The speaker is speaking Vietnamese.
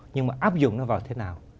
nhưng mà áp dụng nó vào thế nào